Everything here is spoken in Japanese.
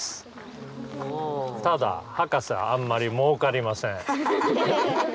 ただハカセあんまりもうかりません。